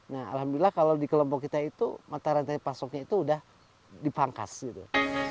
nah alhamdulillah kalau di kelompok kita itu mata rantai pasoknya itu udah dipangkas gitu